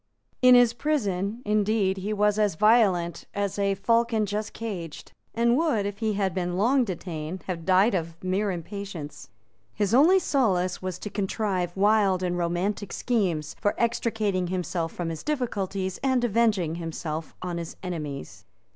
In his prison, indeed, he was as violent as a falcon just caged, and would, if he had been long detained, have died of mere impatience. His only solace was to contrive wild and romantic schemes for extricating himself from his difficulties and avenging himself on his enemies.